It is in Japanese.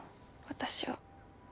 私は。